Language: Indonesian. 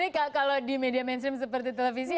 jadi kalau di media mainstream seperti televisi